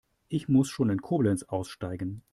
Ich muss schon in Koblenz aussteigen